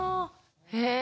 へえ。